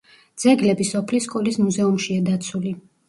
ძეგლები სოფლის სკოლის მუზეუმშია დაცული.